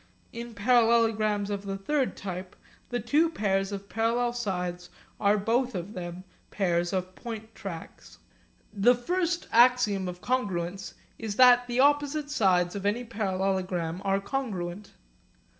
In parallelograms of the third type the two pairs of parallel sides are both of them pairs of point tracks. The first axiom of congruence is that the opposite sides of any parallelogram are congruent.